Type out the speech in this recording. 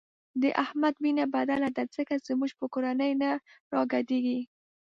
د احمد وینه بدله ده ځکه زموږ په کورنۍ نه راګډېږي.